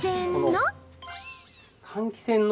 換気扇の。